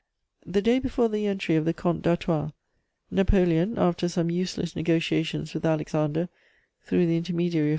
] The day before the entry of the Comte d'Artois, Napoleon, after some useless negociations with Alexander through the intermediary of M.